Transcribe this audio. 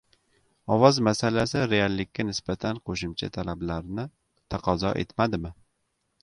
ovoz masalasi reallikka nisbatan qo‘shimcha talablarni taqozo etmadimi?